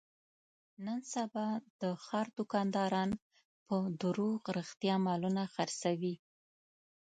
نن سبا د ښاردوکانداران په دروغ رښتیا مالونه خرڅوي.